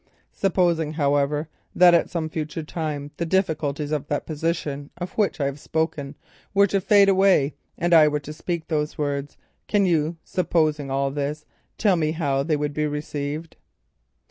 "Supposing, however, that at some future time the difficulties of that position of which I have spoken were to fade away, and I were then to speak those words, can you, supposing all this—tell me how they would be received?"